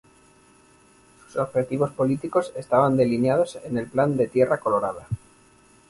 Sus objetivos políticos estaban delineados en el Plan de Tierra Colorada.